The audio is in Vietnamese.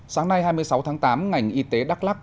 sáng nay hai mươi sáu tháng tám ngành y tế đắk lắc